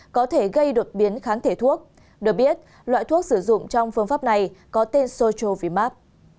có thể gây đột biến kháng thể thuốc được biết loại thuốc sử dụng trong phương pháp này có tên sochovimax